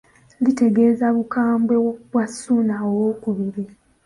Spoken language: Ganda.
Litegeeza bukambwe bwa Ssuuna II.